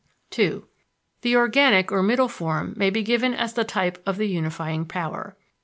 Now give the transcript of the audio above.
(2) The organic or middle form may be given as the type of the unifying power.